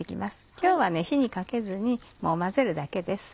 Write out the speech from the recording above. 今日は火にかけずに混ぜるだけです。